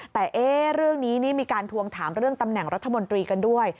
แต่เรื่องนี้นี่มีการทวงถามเรื่องตำแหน่งรัฐมนตรีกันด้วย